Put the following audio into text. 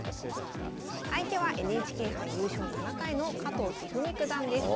相手はＮＨＫ杯優勝７回の加藤一二三九段です。